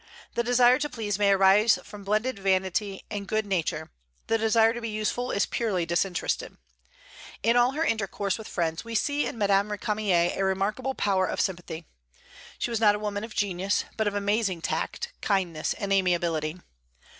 The desire to please may arise from blended vanity and good nature; the desire to be useful is purely disinterested. In all her intercourse with friends we see in Madame Récamier a remarkable power of sympathy. She was not a woman of genius, but of amazing tact, kindness, and amiability.